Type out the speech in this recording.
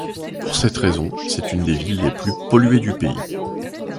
Pour cette raison, c'est une des villes les plus polluées du pays.